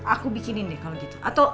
aku bikinin deh kalau gitu